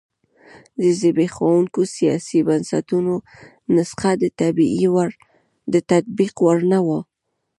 د زبېښونکو سیاسي بنسټونو نسخه د تطبیق وړ نه وه.